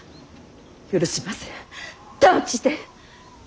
許せません断じて！